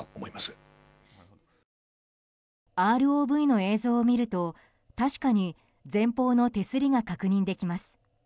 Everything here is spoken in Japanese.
ＲＯＶの映像を見ると確かに前方の手すりが確認できます。